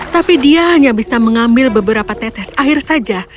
tapi dia hanya bisa mengambil beberapa tetes air saja